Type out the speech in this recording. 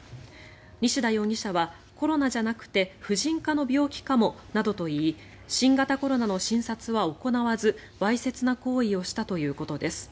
西田容疑者はコロナじゃなくて婦人科の病気かもなどといい新型コロナの診察は行わずわいせつな行為をしたということです。